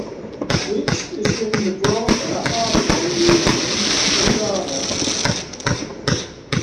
Which is in the Brong Ahafo Region of Ghana.